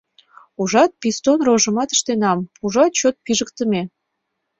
Ужат, пистон рожымат ыштенам, пужат чот пижыктыме.